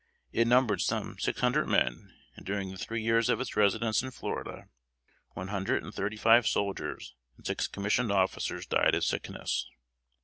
It numbered some six hundred men, and during the three years of its residence in Florida, one hundred and thirty five soldiers and six commissioned officers died of sickness.